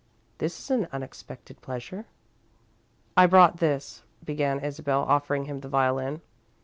This is an unexpected pleasure." "I brought this," began Isabel, offering him the violin.